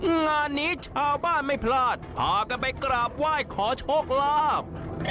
งานนี้ชาวบ้านไม่พลาดพากันไปกราบไหว้ขอโชคลาภ